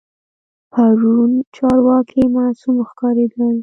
پرون چارواکي معصوم ښکارېدل.